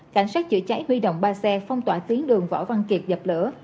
cảnh sát chữa cháy huy động ba xe phong tỏa tuyến đường võ văn kiệt dập lửa